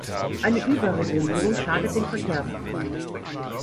Eine Überregulierung schadet dem Verkehrsmarkt.